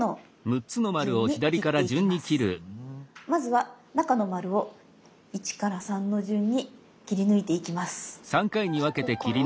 まずは中の丸を１から３の順に切り抜いていきます。